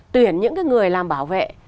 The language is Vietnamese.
tuyển những cái người làm bảo vệ